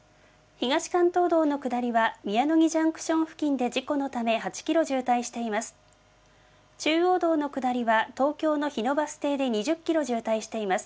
東関東道の下りは宮野木ジャンクション付近で事故のため８キロ渋滞しています。